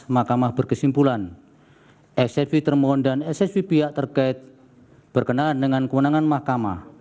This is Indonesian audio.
mahkamah berkesimpulan ssv termohon dan ssv pihak terkait berkenaan dengan kewenangan mahkamah